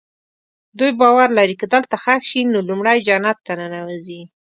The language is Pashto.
دوی باور لري که دلته ښخ شي نو لومړی جنت ته ننوځي.